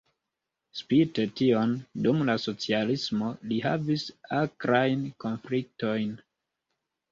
Spite tion dum la socialismo li havis akrajn konfliktojn.